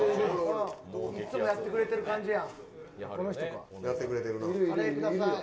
いつもやってくれてる感じや。